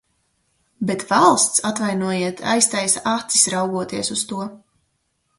Bet valsts, atvainojiet, aiztaisa acis, raugoties uz to.